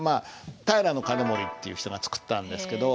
平兼盛っていう人が作ったんですけど。